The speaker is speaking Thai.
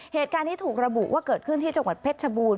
เหตุการณ์ที่ถูกระบุว่าเกิดขึ้นที่จังหวัดเพชรชบูรณ